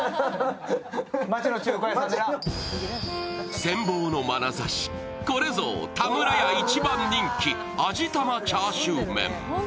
羨望のまなざし、これぞ田村屋一番人気、味玉チャーシューメン。